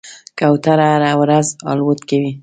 کوتره هره ورځ الوت کوي.